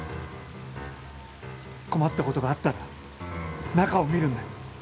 困ったことがあったら中を見るんだ。